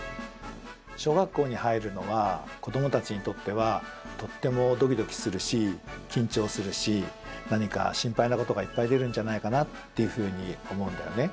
小学校に入るのは子どもたちにとってはとってもドキドキするし緊張するし何か心配なことがいっぱい出るんじゃないかなっていうふうに思うんだよね。